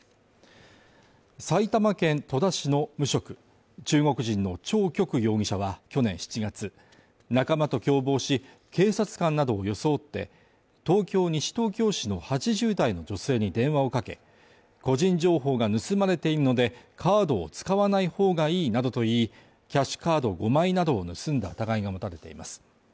埼玉県戸田市の無職、中国人の張旭容疑者は去年７月、仲間と共謀し、警察官などを装って、東京・西東京市の８０代の女性に電話をかけ、個人情報が盗まれているので、カードを使わない方がいいなどと言い、キャッシュカード５枚などを盗んだ疑いが持たれています。